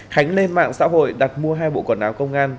khánh lên mạng xã hội đặt mua hai bộ quần áo công an